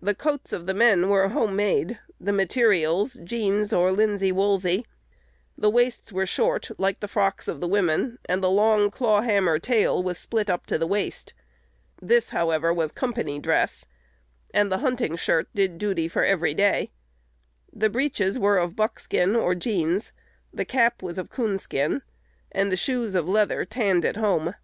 The coats of the men were home made; the materials, jeans or linsey woolsey. The waists were short, like the frocks of the women, and the long "claw hammer" tail was split up to the waist. This, however, was company dress, and the hunting shirt did duty for every day. The breeches were of buck skin or jeans; the cap was of coon skin; and the shoes of leather tanned at home.